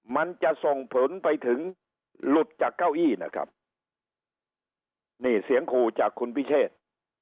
มันจะส่งผลไปถึงหลุดจากเก้าอี้นะครับนี่เสียงขู่จากคุณพิเชษ